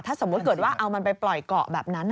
ถ้าสมมุติเกิดว่าเอามันไปปล่อยเกาะแบบนั้น